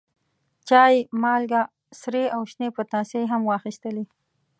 چای، مالګه، سرې او شنې پتاسې هم واخیستلې.